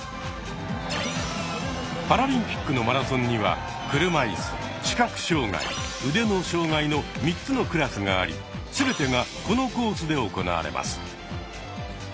パラリンピックのマラソンには車いす視覚障害腕の障害の３つのクラスがあり全てがこのコースで行われます。